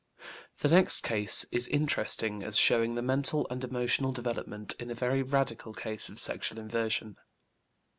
The next case is interesting as showing the mental and emotional development in a very radical case of sexual inversion.